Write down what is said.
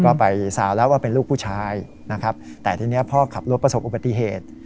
ก็ไปซาวแล้วว่าเป็นลูกผู้ชายนะครับแต่ทีนี้พ่อขับรถประสบอุบัติเหตุ